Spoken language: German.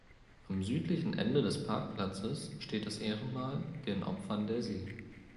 Am südlichen Ende des Parkplatzes steht das Ehrenmal "Den Opfern der See".